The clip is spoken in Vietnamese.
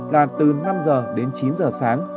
là từ năm h đến chín h sáng